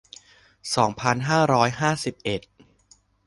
สองพันห้าร้อยห้าสิบเอ็ด